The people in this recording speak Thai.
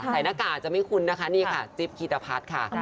ใส่หน้ากากอาจจะไม่คุ้นนะคะนี่ค่ะจิปกีฎพัสค่ะ